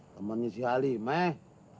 temennya si ali meh